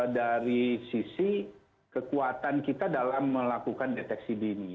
dari sisi kekuatan kita dalam melakukan deteksi dini